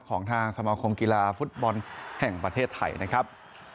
ของทางสมาคมกีฬาฟุตบอลแห่งประเทศไทยนะครับ